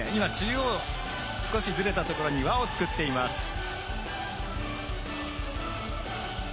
中央、少しずれたところに輪を作っています。